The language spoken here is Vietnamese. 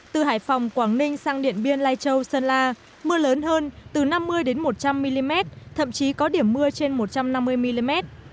từ hải phòng quảng ninh sang điện biên lai châu sơn la mưa lớn hơn từ năm mươi một trăm linh mm thậm chí có điểm mưa trên một trăm năm mươi mm